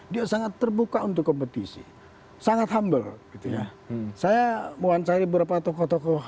dia sangat terbuka untuk kompetisi sangat humble gitu ya saya mewawancari beberapa tokoh tokoh